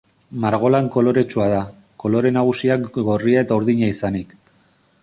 Margolan koloretsua da, kolore nagusiak gorria eta urdina izanik.